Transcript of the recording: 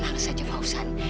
tenang saja fawzan